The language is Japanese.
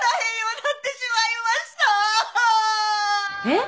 えっ！？